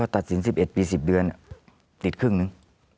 ตัดสิน๑๑ปี๑๐เดือนติดครึ่งหนึ่ง